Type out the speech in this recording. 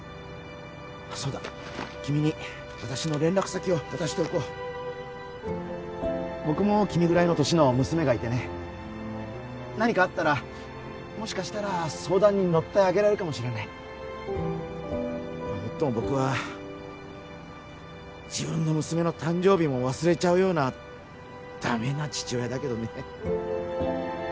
そうだ君に私の連絡先を渡しておこう僕も君ぐらいの年の娘がいてね何かあったらもしかしたら相談に乗ってあげられるかもしれないもっとも僕は自分の娘の誕生日も忘れちゃうようなダメな父親だけどね